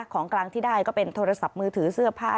ของกลางที่ได้ก็เป็นโทรศัพท์มือถือเสื้อผ้า